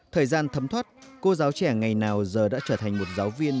thời gian thấm thoát cô giáo trẻ ngày nào giờ đã trở thành một giáo viên